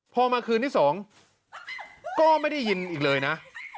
พอมาคืนที่๒ก็ไม่ได้ยินอีกเลยนะ